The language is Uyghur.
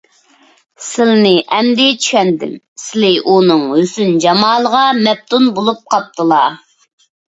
سىلىنى ئەمدى چۈشەندىم، سىلى ئۇنىڭ ھۆسن - جامالىغا مەپتۇن بولۇپ قاپتىلا.